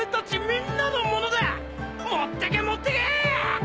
持ってけ持ってけえ！